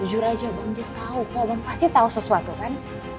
jujur aja bang jess tau kok bang pasti tau sesuatu kan